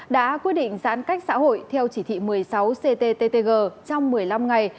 đã quyết định giãn cách xã hội theo chỉ thị một mươi sáu cttg trong một mươi năm ngày